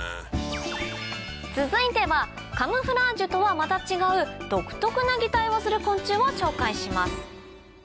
続いてはカムフラージュとはまた違う独特な擬態をする昆虫を紹介します